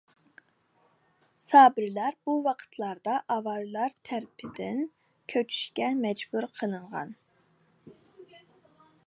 سابىرلار بۇ ۋاقىتلاردا ئاۋارلار تەرىپىدىن كۆچۈشكە مەجبۇر قىلىنغان.